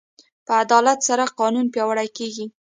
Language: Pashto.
په عدالت سره قانون پیاوړی کېږي.